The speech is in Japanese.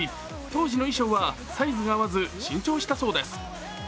当時の衣装はサイズが合わず新調したそうです。